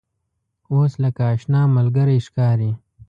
اوس لکه آشنا ملګری ښکاري.